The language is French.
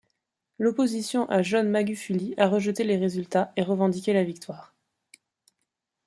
L'opposition à John Magufuli a rejeté les résultats et revendiqué la victoire.